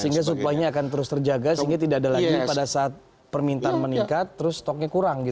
sehingga supaya akan terus terjaga sehingga tidak ada lagi pada saat permintaan meningkat terus stoknya kurang gitu ya